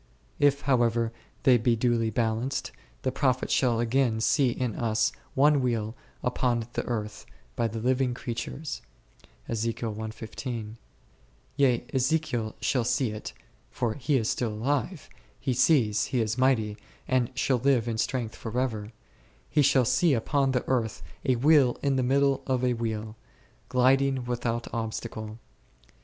If, however, they be duly balanced, the prophet shall again see in us one wheel upon the earth, by the living creatures* ; yea, Ezekiel shall see it, for he is still alive, he sees, he is mighty, and shall live in strength for ever ; he shall see upon the earth a wheel in the middle of a wheel, gliding without ob stacle^.